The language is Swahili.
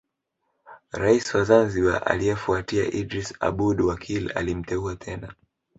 Rais wa Zanzibar aliyefuatia Idris Aboud Wakil alimteua tena